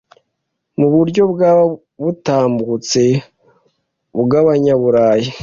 mu buryo bwaba butambutse ubw’Abanyaburayi